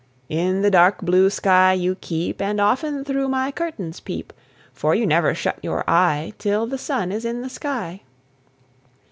In the dark blue sky you keep, And often through my curtains peep, For you never shut your eye, Till the sun is in the sky.